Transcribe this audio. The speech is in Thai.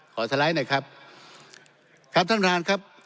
สไลด์หน่อยครับครับท่านประธานครับ